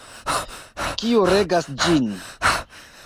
Kiu regas ĝin?